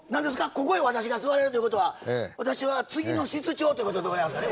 ここへ私が座れるということは私は次の室長ということでございますかね？